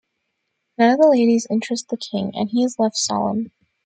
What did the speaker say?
None of the ladies interest the king, and he is left solemn.